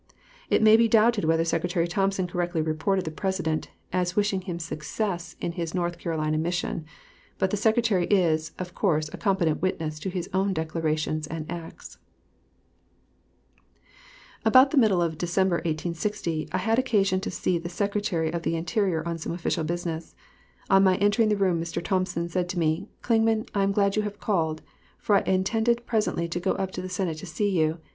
It may be doubted whether Secretary Thompson correctly reported the President as wishing him success in his North Carolina mission, but the Secretary is, of course, a competent witness to his own declarations and acts. T.L. Clingman, "Speeches and Writings," pp. 526, 527. About the middle of December I had occasion to see the Secretary of the Interior on some official business. On my entering the room, Mr. Thompson said to me, "Clingman, I am glad you have called, for I intended presently to go up to the Senate to see you.